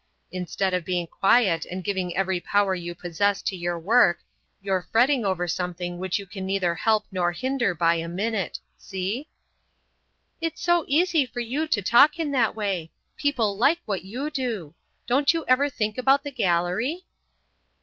Instead of being quiet and giving every power you possess to your work, you're fretting over something which you can neither help no hinder by a minute. See?" "It's so easy for you to talk in that way. People like what you do. Don't you ever think about the gallery?"